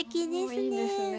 おおいいですね。